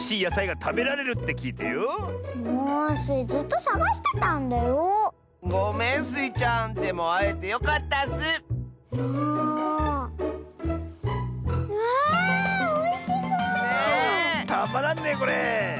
たまらんねこれ。